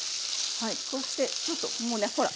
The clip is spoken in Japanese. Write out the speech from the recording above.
こうしてちょっともうねほら